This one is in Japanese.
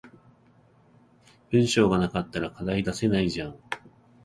文章が無かったら課題出せないじゃん